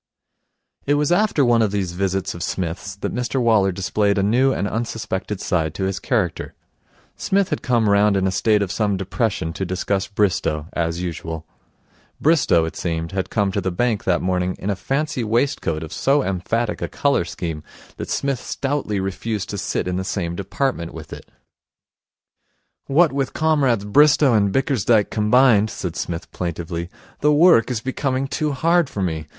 It was after one of these visits of Psmith's that Mr Waller displayed a new and unsuspected side to his character. Psmith had come round in a state of some depression to discuss Bristow, as usual. Bristow, it seemed, had come to the bank that morning in a fancy waistcoat of so emphatic a colour scheme that Psmith stoutly refused to sit in the same department with it. 'What with Comrades Bristow and Bickersdyke combined,' said Psmith plaintively, 'the work is becoming too hard for me.